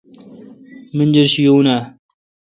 منجرشی یون آں؟